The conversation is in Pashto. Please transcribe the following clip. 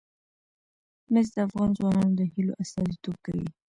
مس د افغان ځوانانو د هیلو استازیتوب کوي.